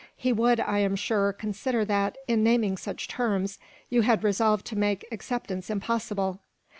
He would, I am sure, consider that, in naming such terms, you had resolved to make acceptance impossible."